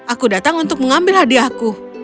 aku datang untuk mengambil hadiahku